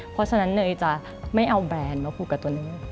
เพราะฉะนั้นเนยจะไม่เอาแบรนด์มาผูกกับตัวเนย